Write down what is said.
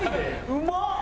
うまっ！